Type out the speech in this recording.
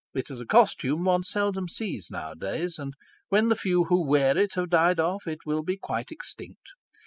It is a costume one seldom sees nowadays, and when the few who wear it have died off, it will be quite extinct.